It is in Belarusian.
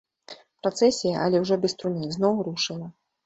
Працэсія, але ўжо без труны, зноў рушыла.